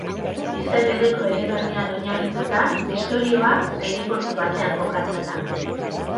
Izen bereko eleberrian oinarrituta, istorioa aireportu batean kokatzen da.